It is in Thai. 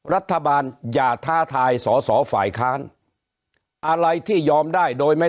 รัฐบาลอย่าท้าทายสอสอฝ่ายค้านอะไรที่ยอมได้โดยไม่